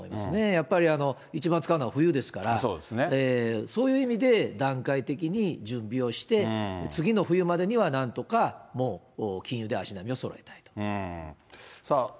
やっぱり一番使うのは冬ですから、そういう意味で、段階的に準備をして、次の冬までにはなんとかもう禁輸で足並みをそろえたいと。